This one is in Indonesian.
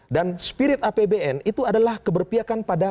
dan spirit apbn itu adalah keberpiakan pada